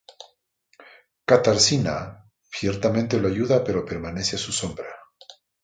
Katarzyna ciertamente lo ayuda pero permanece a su sombra.